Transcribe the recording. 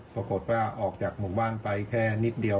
ปรากฏว่าออกจากหมู่บ้านไปแค่นิดเดียว